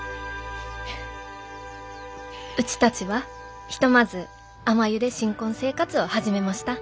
「うちたちはひとまずあまゆで新婚生活を始めました。